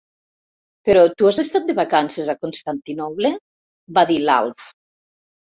Però tu has estat de vacances a Constantinoble? —va dir l'Alf.